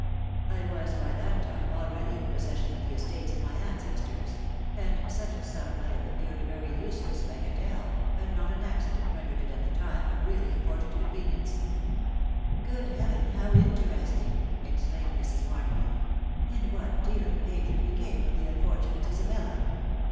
I was by that time already in possession ox the estates of my ancestors, and such a sum mv^Jax. \ks« appeared a very useless bagatelle, had. not an acc^snX TentaaeA* it at that time of really important convenience " THE WIDOW BARNABY. 199 . t( Good Heaven ! how interesting !" exclaimed Mrs. Bar* naby. " And what, dear major, became of the unfortunate Isabella